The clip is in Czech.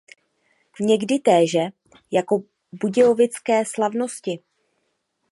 Někdy téže jako Budějovické slavnosti.